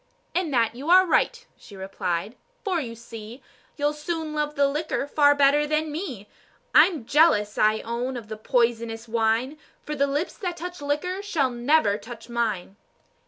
"In that you are right," she replied; "for, you see, You'll soon love the liquor far better than me. I'm jealous, I own, of the poisonous wine, For the lips that touch liquor shall never touch mine."